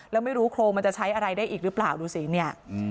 แล้วไม่รู้โครงมันจะใช้อะไรได้อีกหรือเปล่าดูสิเนี่ย